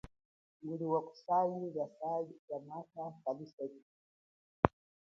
Nguli wa kusali lia mwatha saluseke.